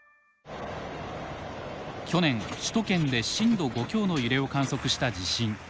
去年首都圏で震度５強の揺れを観測した地震。